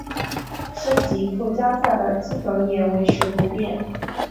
升级附加赛的资格也维持不变。